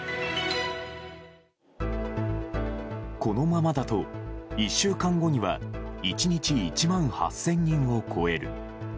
このままだと１週間後には１日１万８０００人を超える。